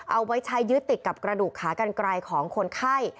เอาไว้ใช้ยึดติดกับกระดูกขากันไกลของคนไข้